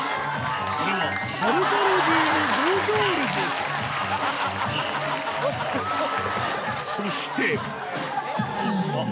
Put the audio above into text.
それはそして